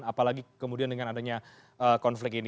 apalagi kemudian dengan adanya konflik ini